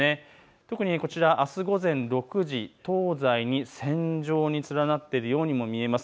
特に、あす午前６時、東西に線状に連なっているようにも見えます。